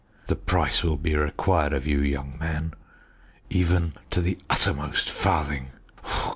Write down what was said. The price will be required of you, young man, even to the uttermost farthing!